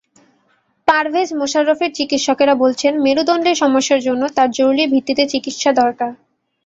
পারভেজ মোশাররফের চিকিৎসকেরা বলছেন, মেরুদণ্ডের সমস্যার জন্য তাঁর জরুরি ভিত্তিতে চিকিৎসা দরকার।